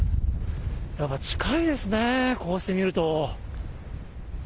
やっぱり近いですね、こうして見ると。